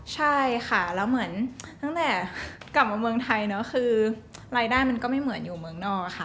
ใช่ค่ะแล้วเหมือนตั้งแต่กลับมาเมืองไทยเนอะคือรายได้มันก็ไม่เหมือนอยู่เมืองนอกค่ะ